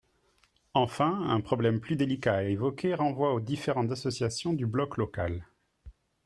Enfin, un problème plus délicat à évoquer renvoie aux différentes associations du bloc local.